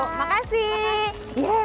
makasih ya mbak